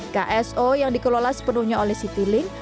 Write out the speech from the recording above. kso yang dikelola sepenuhnya oleh citilink